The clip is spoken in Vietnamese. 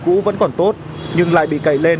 cũ vẫn còn tốt nhưng lại bị cậy lên